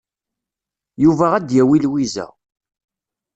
Yuba ad d-yawi Lwiza.